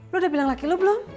lu udah bilang laki lu belum